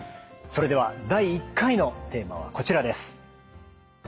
それでは第１回のテーマはこちらです。